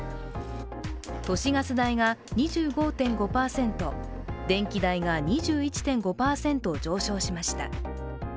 都市ガス代が２５．５％、電気代が２１．５％上昇しました。